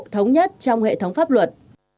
thống nhất trong hệ thống pháp luật